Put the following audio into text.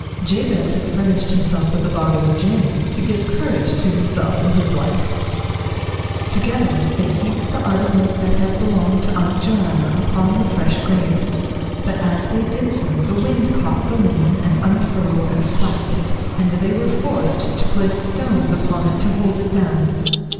Jabez had furnished himself with a bottle of gin, to give courage to himself and his wife. Together they heaped the articles that had belonged to Aunt Joanna upon the fresh grave, but as they did so the wind caught the linen and unfurled and flapped it, and they were forced to place stones upon it to hold it down.